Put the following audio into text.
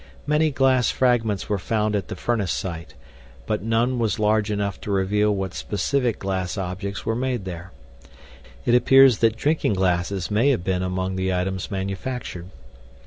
Many glass fragments were found at the furnace site, but none was large enough to reveal what specific glass objects were made there. It appears that drinking glasses may have been among the items manufactured.